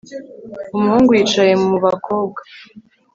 Umuhungu yicaye mu bakobwa